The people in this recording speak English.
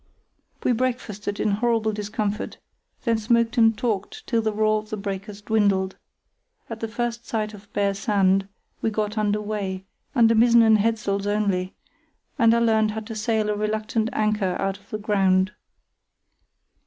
We breakfasted in horrible discomfort; then smoked and talked till the roar of the breakers dwindled. At the first sign of bare sand we got under way, under mizzen and headsails only, and I learned how to sail a reluctant anchor out of the ground.